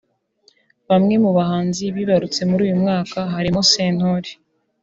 Bamwe mu bahanzi bibarutse muri uyu mwaka harimo Sentore